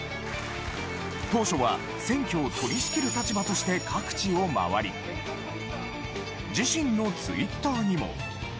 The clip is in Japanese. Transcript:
当初は選挙を取り仕切る立場として各地を回り、自身のツイッターにも。